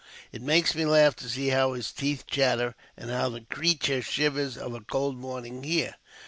It makes me laugh to see how his teeth chatter, and how the creetur shivers of a cold morning, here.